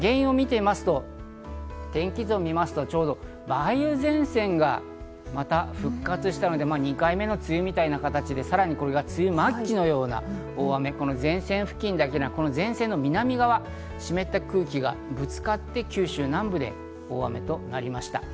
原因を見てみますと、天気図を見ますと梅雨前線がまた復活したので、２回目の梅雨みたいな形で、梅雨末期のような大雨、前線付近だけでなく南側、湿った空気がぶつかって、九州南部で大雨となりました。